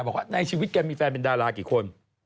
บอกว่าในชีวิตแกมีแฟนเป็นดารากี่คน